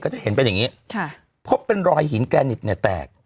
จะเห็นเป็นอย่างนี้ค่ะพบเป็นรอยหินแกนิดเนี่ยแตก